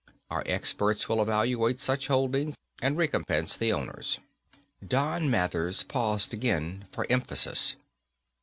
Our experts will evaluate such holdings and recompense the owners._ Don Mathers paused again for emphasis.